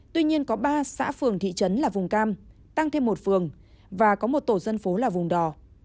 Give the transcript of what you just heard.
tuy nhiên có ba xã phường thị trấn là vùng cam tăng thêm một phường và có một tổ dân phố là vùng đỏ